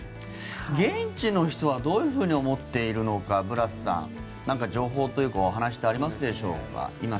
現地の人はどういうふうに思っているのかブラスさん、情報というかお話ってありますでしょうか。